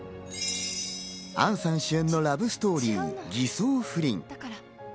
杏さん主演のラブストーリー『偽装不倫』。